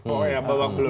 oh iya babak belur